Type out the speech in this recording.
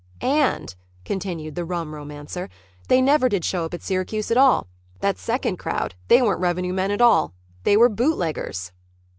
"And," continued the rum romancer, "they never did show up at Syracuse at all. That second crowd they weren't revenue men at all. They were bootleggers."